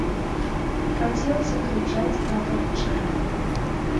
Хацелася крычаць ад адчаю.